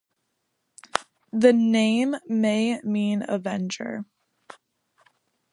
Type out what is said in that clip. The name may mean avenger.